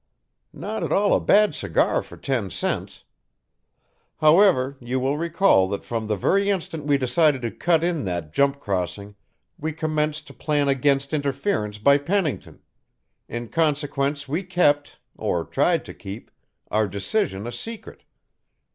"Not at all a bad cigar for ten cents. However you will recall that from the very instant we decided to cut in that jump crossing, we commenced to plan against interference by Pennington; in consequence we kept, or tried to keep, our decision a secret.